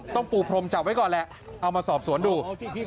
ปูพรมจับไว้ก่อนแหละเอามาสอบสวนดู